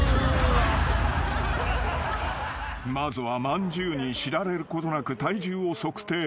［まずはまんじゅうに知られることなく体重を測定］